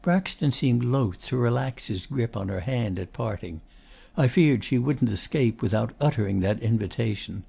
'Braxton seemed loth to relax his grip on her hand at parting. I feared she wouldn't escape without uttering that invitation.